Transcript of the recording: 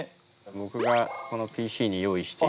僕がこのＰＣに用意しているので。